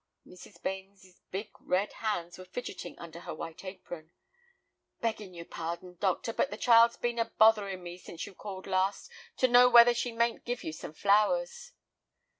Mrs. Bains's big, red hands were fidgeting under her white apron. "Begging your pardon, doctor, but the child's been a bothering me since you called last, to know whether she mayn't give you some flowers."